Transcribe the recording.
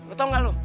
lu tau gak lu